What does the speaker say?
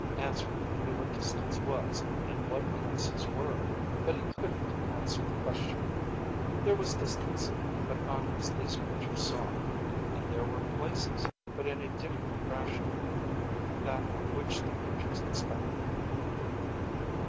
Answerer knew what distance was, and what places were. But he couldn't answer the question. There was distance, but not as these creatures saw it. And there were places, but in a different fashion from that which the creatures expected.